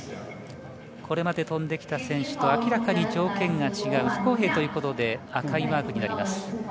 これまで飛んできた選手と明らかに条件が違う不公平ということで赤いマークになります。